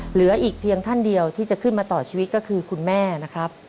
เหลืออีกเพียงท่านเดียวที่จะขึ้นมาต่อชีวิตก็คือคุณแม่นะครับ